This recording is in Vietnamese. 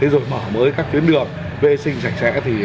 rồi mở mới các tuyến đường vệ sinh sạch sẽ